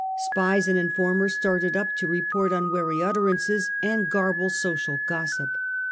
Spies and informers started up to report unwary utterances and garble social gossip.